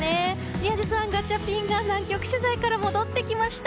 宮司さん、ガチャピンが南極取材から戻ってきました！